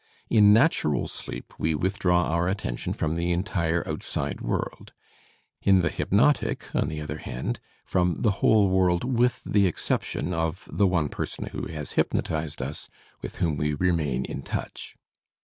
In natural sleep we withdraw our attention from the entire outside world; in the hypnotic, on the other hand, from the whole world with the exception of the one person who has hypnotized us, with whom we remain in touch.